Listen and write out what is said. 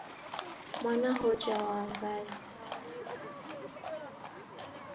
Mwana hoja waangaya.